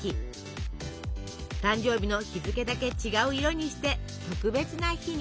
誕生日の日付だけ違う色にして特別な日に。